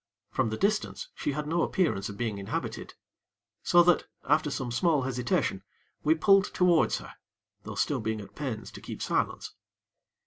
From the distance she had no appearance of being inhabited; so that after some small hesitation, we pulled towards her, though still being at pains to keep silence.